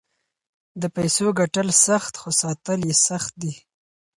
د پیسو ګټل سخت خو ساتل یې سخت دي.